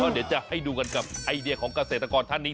เดี๋ยวจะให้ดูกันกับไอเดียของเกษตรกรท่านนี้